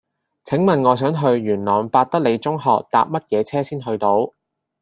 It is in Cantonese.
請問我想去元朗伯特利中學搭乜嘢車先去到